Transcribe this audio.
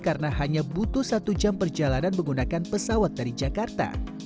karena hanya butuh satu jam perjalanan menggunakan pesawat dari jakarta